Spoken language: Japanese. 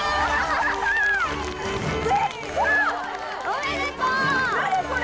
おめでとう！